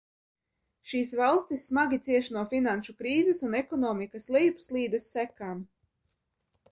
Šīs valstis smagi cieš no finanšu krīzes un ekonomikas lejupslīdes sekām.